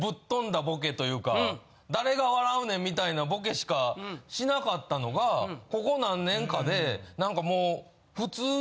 というか誰が笑うねんみたいなボケしかしなかったのがここ何年かでなんかもう。